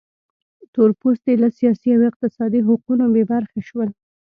تور پوستي له سیاسي او اقتصادي حقونو بې برخې شول.